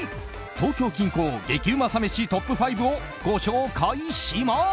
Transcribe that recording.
東京近郊激うまサ飯トップ５をご紹介します！